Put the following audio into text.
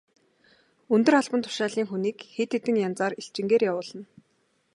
Өндөр албан тушаалын хүнийг хэд хэдэн янзаар элчингээр явуулна.